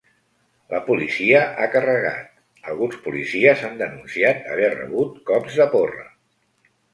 La policia ha carregat, alguns policies han denunciat haver rebut cops de porra.